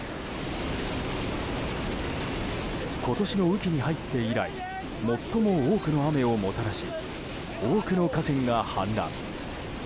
今年の雨期に入って以来最も多くの雨をもたらし多くの河川が氾濫。